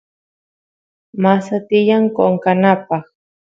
masa tiyan qoqanapaq